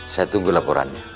saya tunggu laporannya